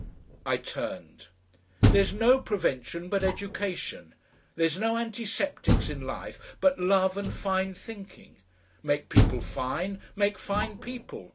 I turned. "There's no prevention but education. There's no antiseptics in life but love and fine thinking. Make people fine, make fine people.